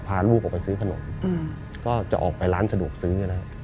พาลูกออกไปซื้อขนมก็จะออกไปร้านสะดวกซื้อนะครับ